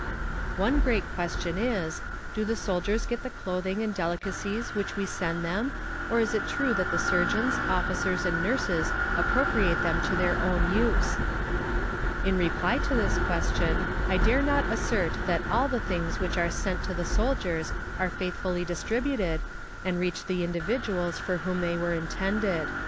One great question is: "Do the soldiers get the clothing and delicacies which we send them or is it true that the surgeons, officers and nurses appropriate them to their own use?" In reply to this question I dare not assert that all the things which are sent to the soldiers are faithfully distributed, and reach the individuals for whom they were intended.